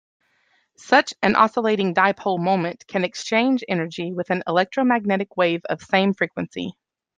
Such an oscillating dipole moment can exchange energy with an electromagnetic wave of same frequency.